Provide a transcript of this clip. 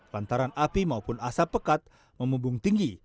lantaran api maupun asap pekat memubung tinggi